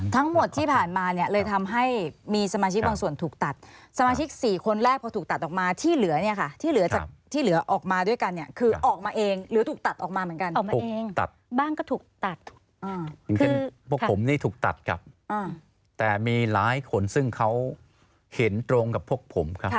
ทั้งหมดที่ผ่านมาเนี่ยเลยทำให้มีสมาชิกบางส่วนถูกตัดสมาชิกสี่คนแรกพอถูกตัดออกมาที่เหลือเนี่ยค่ะที่เหลือจากที่เหลือออกมาด้วยกันเนี่ยคือออกมาเองหรือถูกตัดออกมาเหมือนกันออกมาเองตัดบ้างก็ถูกตัดคือพวกผมนี่ถูกตัดครับแต่มีหลายคนซึ่งเขาเห็นตรงกับพวกผมครับ